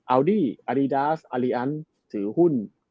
อาร์ดี้อารีดาร์ซอารีอันนซ์ถือหุ้น